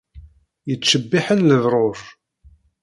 Yettcebbiḥen lebruǧ.